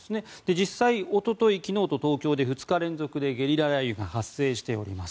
実際、一昨日、昨日と東京で２日連続でゲリラ雷雨が発生しております。